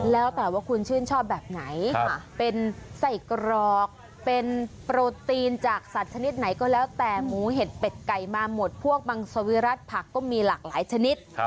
แล้วแต่ว่าคุณชื่นชอบแบบไหนเป็นไส้กรอกเป็นโปรตีนจากสัตว์ชนิดไหนก็แล้วแต่หมูเห็ดเป็ดไก่มาหมดพวกมังสวิรัติผักก็มีหลากหลายชนิด